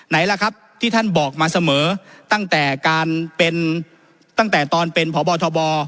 ไหนล่ะครับที่ท่านบอกมาเสมอตั้งแต่การเป็นตั้งแต่ตอนเป็นพบทบ